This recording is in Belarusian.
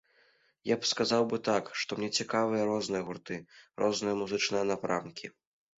Я б сказаў бы так, што мне цікавыя розныя гурты, розныя музычныя напрамкі.